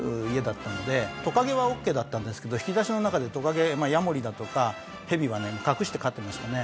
トカゲはオーケーだったんですけど引き出しの中でトカゲヤモリだとかヘビはね隠して飼ってましたね。